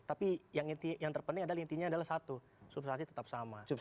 tapi yang terpenting adalah intinya adalah satu substansi tetap sama